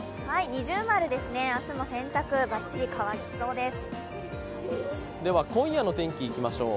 二重丸ですね、明日も洗濯、ばっちり乾きそうです。